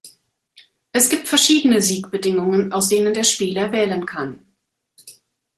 Es gibt verschiedene Siegbedingungen, aus denen der Spieler wählen kann.